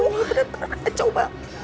ini bener bener kacau ma